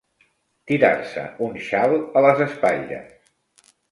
Tirar-se un xal a les espatlles.